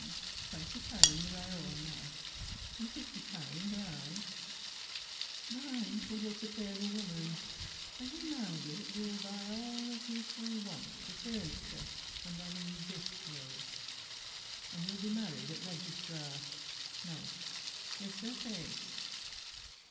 X Twenty pound o' thy own tha hast, and fifty pound ha'e I, Thine shall go to pay the woman, an' wi' my bit we'll buy All as we shall want for furniture when tha leaves this place, An' we'll be married at th' registrar now lift thy face.